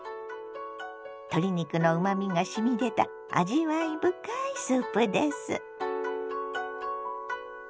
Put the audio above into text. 鶏肉のうまみがしみ出た味わい深いスープです。